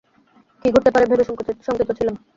কী ঘটতে পারে ভেবে শংকিত ছিলাম।